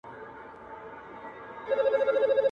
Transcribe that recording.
مات سوی لاس شېرينې ستا د کور دېوال کي ساتم_